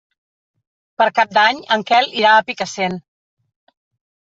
Per Cap d'Any en Quel irà a Picassent.